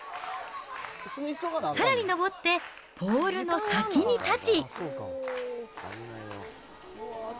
さらに登ってポールの先に立ち。